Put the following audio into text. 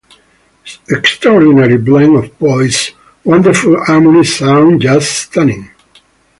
Extraordinary blend of voices, wonderful harmony sound, just stunning.